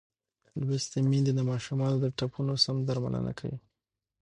لوستې میندې د ماشومانو د ټپونو سم درملنه کوي.